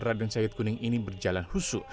raden syahid kuning ini berjalan husu